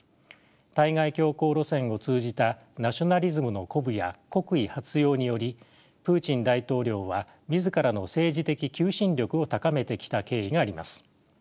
対外強硬路線を通じたナショナリズムの鼓舞や国威発揚によりプーチン大統領は自らの政治的求心力を高めてきた経緯があります。